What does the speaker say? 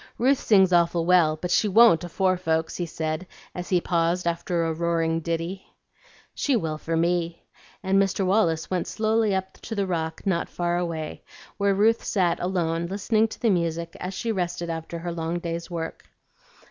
"Ruth sings awful well, but she won't afore folks," he said, as he paused after a roaring ditty. "She will for me;" and Mr. Wallace went slowly up to the rock not far away, where Ruth sat alone listening to the music as she rested after her long day's work.